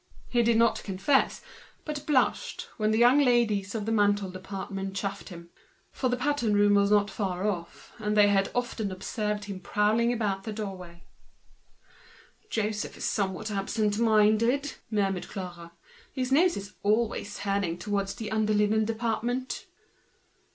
He did not confess, but he blushed, when the young ladies in the ready made department chaffed him; for the pattern room was not far off, and they had often observed him prowling about the doorway. "Joseph is somewhat absent minded," murmured Clara. "His nose is always turned towards the under linen department."